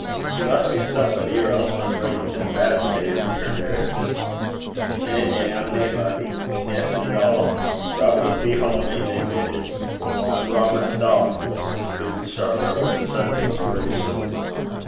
'You must be somebody, or else my brain's in a bad state,' returned Ericson. 'Na, na, I'm naebody. Naething ava (at all). Robert 'll be hame in ae meenit. I'm Robert's tyke (dog),' concluded Shargar, with a sudden inspiration.